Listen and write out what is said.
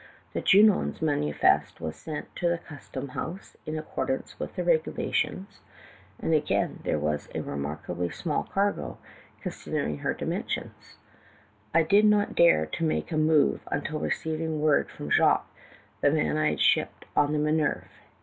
"Thejunon's manifest was sent to the custom house, in accordance with the regulations, and again there was a remarkably small cargo, consid ering her dimensions. I did not dare make a move until receiving word from Jacques, the man I had shipped on the Minerve.